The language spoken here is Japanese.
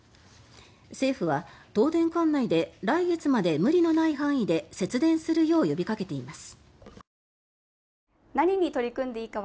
政府は東電管内で来月まで無理のない範囲で節電するよう呼びかけています。